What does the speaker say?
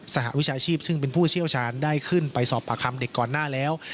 หวิชาชีพซึ่งเป็นผู้เชี่ยวชาญได้ขึ้นไปสอบปากคำเด็กก่อนหน้าแล้ว